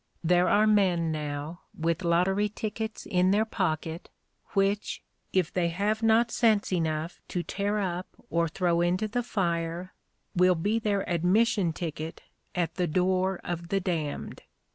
There are men now, with lottery tickets in their pocket, which, if they have not sense enough to tear up or throw into the fire, will be their admission ticket at the door of the damned.